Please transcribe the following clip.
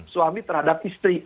suami terhadap istri